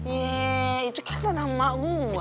yee itu kan nama gua